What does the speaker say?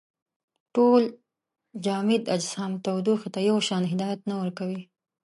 ټول جامد اجسام تودوخې ته یو شان هدایت نه ورکوي.